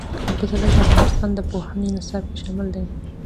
پسرلی د افغانستان د پوهنې نصاب کې شامل دي.